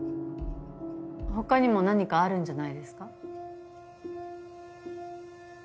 他にも何かあるんじゃないですか？